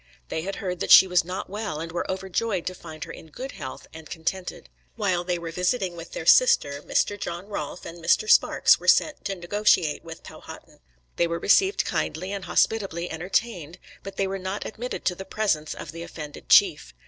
They had heard that she was not well, and were overjoyed to find her in good health and contented. While they were visiting with their sister, Mr. John Rolfe and Mr. Sparks were sent to negotiate with Powhatan. They were received kindly and hospitably entertained, but they were not admitted to the presence of the offended chief.